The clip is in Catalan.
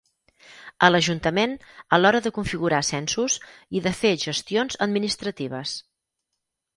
A l'Ajuntament a l'hora de configurar censos i de fer gestions administratives.